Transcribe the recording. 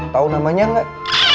tau namanya gak